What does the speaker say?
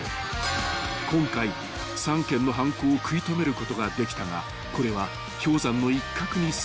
［今回３件の犯行を食い止めることができたがこれは氷山の一角にすぎない］